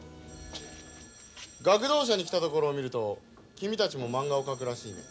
学童社に来たところを見ると君たちもまんがを描くらしいね。